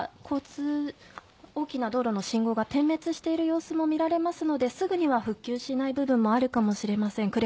大きな道路の信号が点滅している様子も見られますので、すぐには復旧しない部分があるかもしれません。